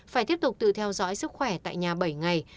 phải tiếp tục tự theo dõi sức khỏe tại nhà bảy ngày